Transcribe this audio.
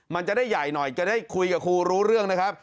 มันจะได้ใหญ่หน่อยจะได้คุยกับครูรู้เรื่องนะครับ